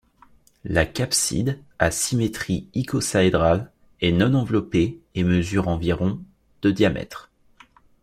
La capside, à symétrie icosahédrale, est non-enveloppée et mesure environ de diamètre.